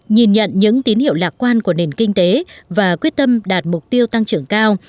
nhìn nhận những tín hiệu lạc quan của nền kinh tế và quyết tâm đạt mục tiêu tăng trưởng cao